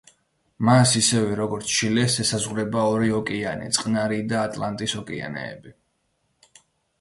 მას ისევე როგორც ჩილეს ესაზღვრება ორი ოკეანე: წყნარი, და ატლანტის ოკეანეები.